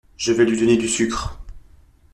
Je vais lui donner du sucre…